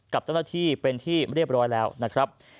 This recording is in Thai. กับเจ้าหน้าที่เป็นที่เรียบร้อยแล้วนะครับ